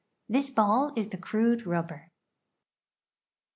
This ball is the crude rubber."